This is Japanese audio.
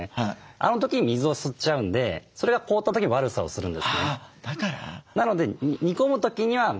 あの時に水を吸っちゃうんでそれが凍った時に悪さをするんですね。